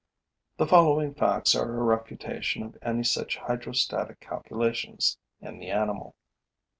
The following facts are a refutation of any such hydrostatic calculations in the animal.